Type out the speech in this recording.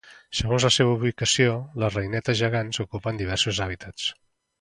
Segons la seva ubicació, les reinetes gegants ocupen diversos hàbitats.